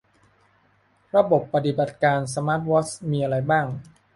ระบบปฏิบัติการสมาร์ทวอชมีอะไรบ้าง